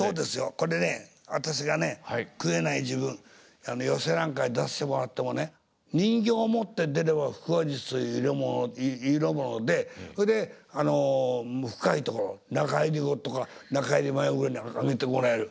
これね私がね食えない時分寄席なんかに出してもらってもね人形を持って出れば腹話術という色物で深いところ仲入り後とか仲入り前ぐらいに上げてもらえる。